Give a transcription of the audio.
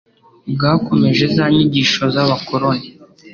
bwakomeje za nyigisho z'abakoroni